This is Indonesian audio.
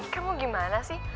kamu gimana sih